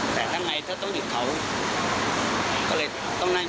แต่ถ้าอยากจะตีเขาก็ไม่ได้อย่างนี้หรอก